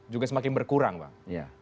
juga semakin berkurang bang